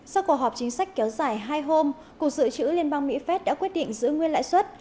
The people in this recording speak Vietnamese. sau cuộc họp chính sách kéo dài hai hôm cục dự trữ liên bang mỹ phép đã quyết định giữ nguyên lãi suất